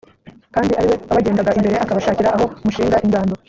kandi ari we wabagendaga imbere akabashakira aho mushinga ingando: